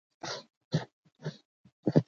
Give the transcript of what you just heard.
تولیدي اړیکې د مؤلده ځواکونو د ودې مخنیوی کوي.